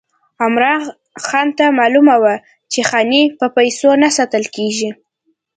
عمرا خان ته معلومه وه چې خاني په پیسو نه ساتل کېږي.